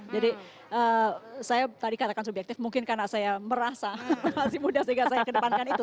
jadi saya tadi katakan subjektif mungkin karena saya merasa masih muda sehingga saya kedepankan itu